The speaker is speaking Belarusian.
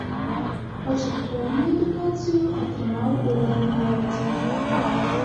Пачатковую адукацыю атрымаў ў родным горадзе.